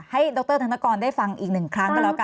ดรธนกรได้ฟังอีกหนึ่งครั้งก็แล้วกัน